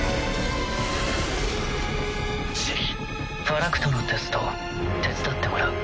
ファラクトのテスト手伝ってもらう。